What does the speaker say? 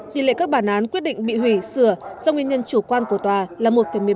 tỷ lệ các bản án quyết định bị hủy sửa do nguyên nhân chủ quan của tòa là một một mươi ba